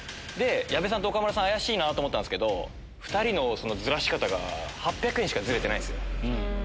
矢部さんと岡村さん怪しいなと思ったんですけど２人のずらし方が８００円しかずれてないんすよ。